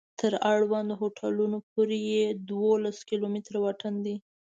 تر اړوندو هوټلونو پورې یې دولس کلومتره واټن دی.